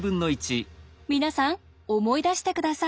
皆さん思い出して下さい。